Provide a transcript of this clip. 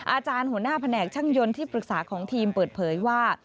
อาจารย์หัวหน้าแผนกช่างยนต์ที่ปรึกษาของทีมเปิดเผยว่า